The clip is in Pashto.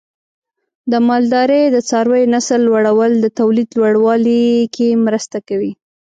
د مالدارۍ د څارویو نسل لوړول د تولید لوړوالي کې مرسته کوي.